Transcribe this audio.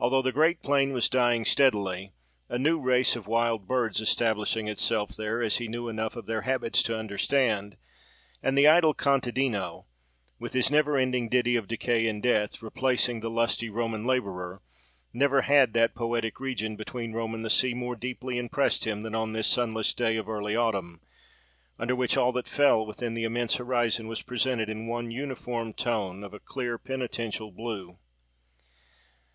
Although the great plain was dying steadily, a new race of wild birds establishing itself there, as he knew enough of their habits to understand, and the idle contadino, with his never ending ditty of decay and death, replacing the lusty Roman labourer, never had that poetic region between Rome and the sea more deeply impressed him than on this sunless day of early autumn, under which all that fell within the immense horizon was presented in one uniform tone of a clear, penitential blue.